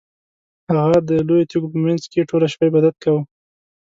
هغه د لویو تیږو په مینځ کې ټوله شپه عبادت کاوه.